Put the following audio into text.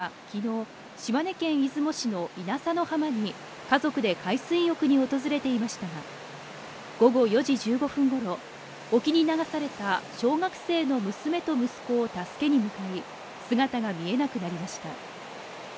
出雲警察署によりますと、穗垣さんはきのう、島根県市の稲佐の浜に家族で海水浴に訪れていましたが、午後４時１５分ごろ、沖に流された小学生の娘と息子を助けに向かい、姿が見えなくなりました。